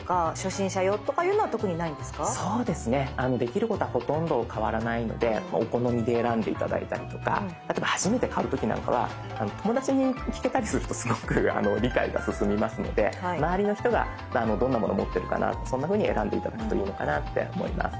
そうですねできることはほとんど変わらないのでお好みで選んで頂いたりとかあとは初めて買う時なんかは友達に聞けたりするとすごく理解が進みますので周りの人がどんなものを持ってるかなとそんなふうに選んで頂くといいのかなって思います。